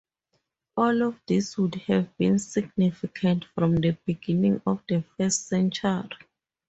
All of these would have been significant from the beginning of the first century.